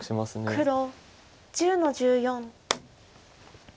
黒１０の十四。